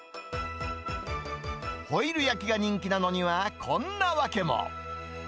ホイル焼きが人気なのにはこんな訳も。